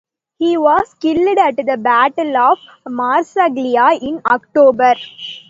He was killed at the Battle of Marsaglia in October.